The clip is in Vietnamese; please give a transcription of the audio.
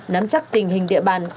nắm chắc tình hình địa bàn